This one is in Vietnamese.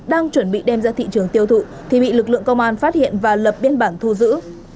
đang chuẩn bị đem ra thị trường tiêu thụ thì bị lực lượng công an phát hiện và lập biên bản thu giữ